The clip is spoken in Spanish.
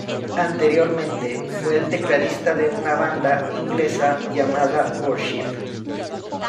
Anteriormente fue el tecladista de una banda inglesa llamada Worship.